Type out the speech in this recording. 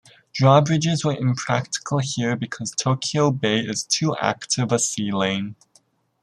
Drawbridges were impractical here because Tokyo Bay is too active a sea lane.